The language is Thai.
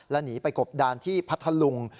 แล้วหนีไปกบด้านที่พัทลุง